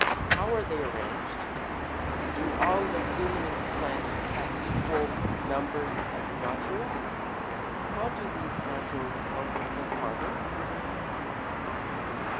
How are they arranged? Do all leguminous plants have equal numbers of nodules? How do these nodules help the farmer?